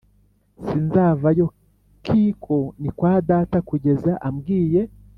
Sinzavayo kiko ni kwadata kugeza ambwiye